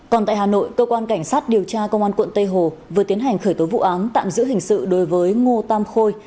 còn tại hà nội cơ quan cảnh sát điều tra công an quận tây hồ vừa tiến hành khởi tố vụ án tạm giữ hình sự đối với ngô tam khôi